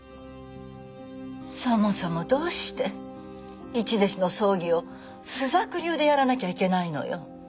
そもそもどうして一弟子の葬儀を朱雀流でやらなきゃいけないのよ。